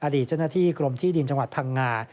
อดีตเจ้าหน้าที่กรมที่ดินจังหวัดพังงา